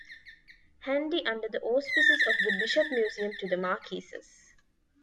Handy under the auspices of the Bishop Museum to the Marquesas.